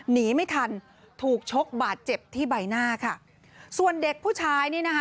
หนีไม่ทันถูกชกบาดเจ็บที่ใบหน้าค่ะส่วนเด็กผู้ชายนี่นะคะ